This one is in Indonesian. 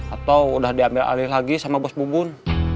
atau udah diambil alih lagi sama bos bubun